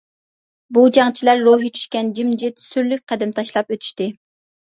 بۇ جەڭچىلەر روھى چۈشكەن، جىمجىت، سۈرلۈك قەدەم تاشلاپ ئۆتۈشتى.